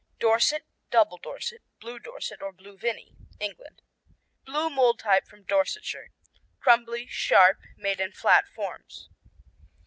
Dorset, Double Dorset, Blue Dorset, or Blue Vinny England Blue mold type from Dorsetshire; crumbly, sharp; made in flat forms.